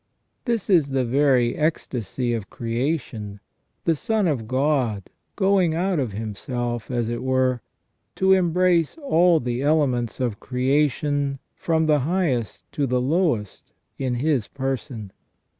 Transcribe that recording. This is the very ecstasy of creation, the Son of God going out of Himself, as it were, to embrace all the elements of creation from the highest to the lowest in His person.